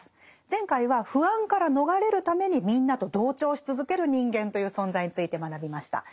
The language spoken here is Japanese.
前回は不安から逃れるためにみんなと同調し続ける人間という存在について学びました。